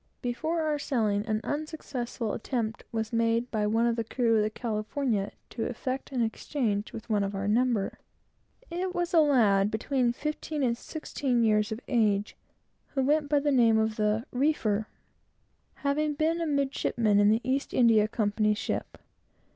Before our sailing, an unsuccessful attempt was made by one of the crew of the California to effect an exchange with one of our number. It was a lad, between fifteen and sixteen years of age, who went by the name of the "reefer," having been a midshipman in an East India Company's ship.